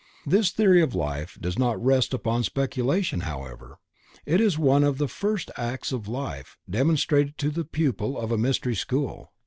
This theory of life does not rest upon speculation however, it is one of the first facts of life demonstrated to the pupil of a Mystery school.